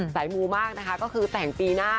มูมากนะคะก็คือแต่งปีหน้า